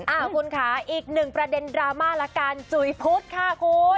อ่าคุณค่ะอีกหนึ่งประเด็นดราม่าละกันจุ๋ยพุธค่ะคุณ